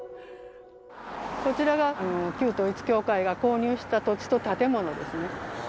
こちらが旧統一教会が購入した土地と建物ですね。